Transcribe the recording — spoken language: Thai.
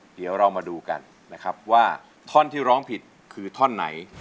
เดี๋ยวเรามาดูกันนะครับว่าท่อนที่ร้องผิดคือท่อนไหน